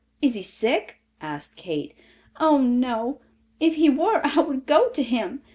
Is he sick?" asked Kate. "Oh, no. If he were I would go to him.